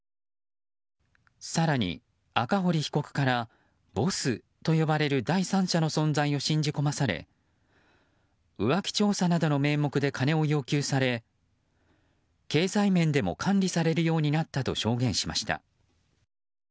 更に、赤堀被告からボスと呼ばれる第三者の存在を信じ込まされ浮気調査などの名目で金を要求され、経済面でも管理されるようになったと証言しました。